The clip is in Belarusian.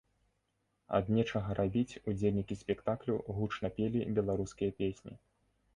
Ад нечага рабіць удзельнікі спектаклю гучна пелі беларускія песні.